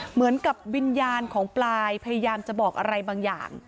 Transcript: เหมือนกับวิญญาณของปลายพยายามจะบอกอะไรบางอย่าง